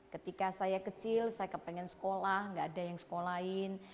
ketika saya kecil saya kepengen sekolah gak ada yang sekolahin